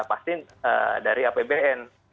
pasti dari apbn